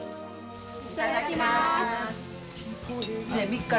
いただきます。